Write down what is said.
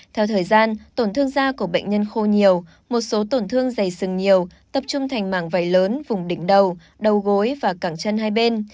theo thời gian tổn thương da của bệnh nhân khô nhiều một số tổn thương dày sừng nhiều tập trung thành mảng vầy lớn vùng đỉnh đầu đầu gối và cản chân hai bên